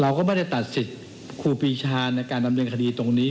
เราก็ไม่ได้ตัดสิทธิ์ครูปีชาในการดำเนินคดีตรงนี้